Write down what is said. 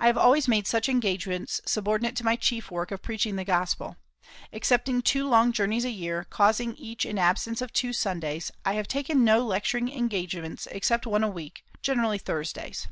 I have always made such engagements subordinate to my chief work of preaching the Gospel. Excepting two long journeys a year, causing each an absence of two Sundays, I have taken no lecturing engagements, except one a week, generally Thursdays.